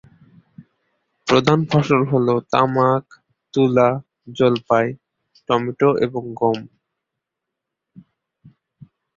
প্রধান ফসল হলো তামাক, তুলা, জলপাই, টমেটো এবং গম।